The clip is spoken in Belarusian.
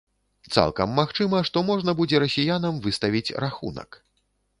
Цалкам магчыма, што можна будзе расіянам выставіць рахунак.